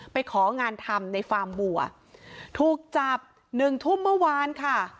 ไปของานทำในฟาร์มบัวถูกจับหนึ่งทุ่มเมื่อวานค่ะ